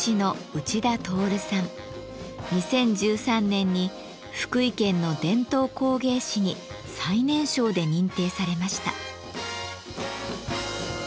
２０１３年に福井県の伝統工芸士に最年少で認定されました。